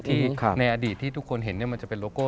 ในอดีตที่ทุกคนเห็นมันจะเป็นโลโก้